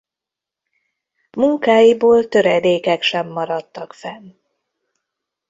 Munkáiból töredékek sem maradtak fenn.